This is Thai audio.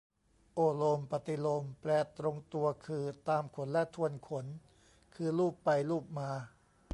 โอ้โลม ปฏิโลม แปลตรงตัวคือตามขนและทวนขน คือลูบไปลูบมา